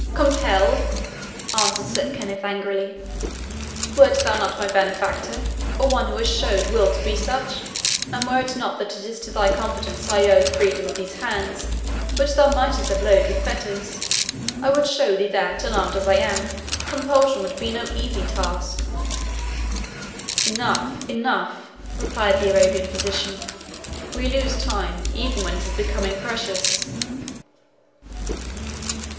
"Compel!" answered Sir Kenneth angrily. "Wert thou not my benefactor, or one who has showed will to be such, and were it not that it is to thy confidence I owe the freedom of these hands, which thou mightst have loaded with fetters, I would show thee that, unarmed as I am, compulsion would be no easy task." "Enough, enough," replied the Arabian physician, "we lose time even when it is becoming precious."